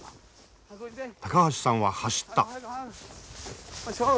高橋さんは走った。